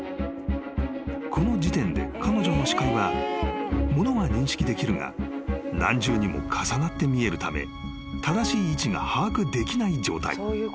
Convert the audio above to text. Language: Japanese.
［この時点で彼女の視界はものは認識できるが何重にも重なって見えるため正しい位置が把握できない状態］